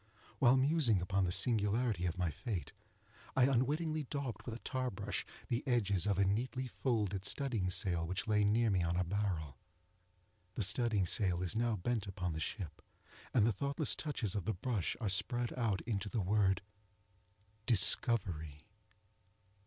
While musing upon the singularity of my fate, I unwittingly daubed with a tar brush the edges of a neatly folded studding sail which lay near me on a barrel. The studding sail is now bent upon the ship, and the thoughtless touches of the brush are spread out into the word DISCOVERY.